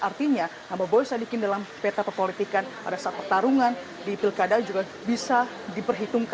artinya nama boy sadikin dalam peta perpolitikan pada saat pertarungan di pilkada juga bisa diperhitungkan